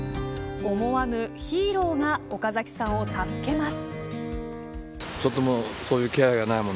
思わぬヒーローが岡崎さんを助けます。